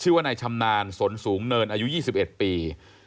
ชื่อว่านายชำนาญสนสูงเนินอายุ๒๑ปี